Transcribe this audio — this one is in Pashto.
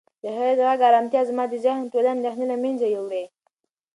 د هغې د غږ ارامتیا زما د ذهن ټولې اندېښنې له منځه یووړې.